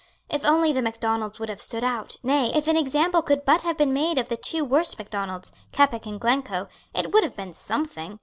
If only the Macdonalds would have stood out, nay, if an example could but have been made of the two worst Macdonalds, Keppoch and Glencoe, it would have been something.